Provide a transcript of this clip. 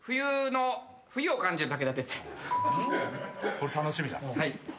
これ楽しみだ。